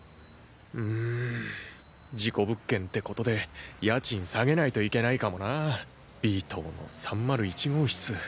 うん事故物件ってことで家賃下げないといけないかもなＢ棟の３０１号室。